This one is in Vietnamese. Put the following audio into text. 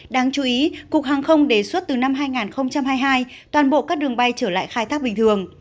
đáng chú ý cục hàng không đề xuất từ năm hai nghìn hai mươi hai toàn bộ các đường bay trở lại khai thác bình thường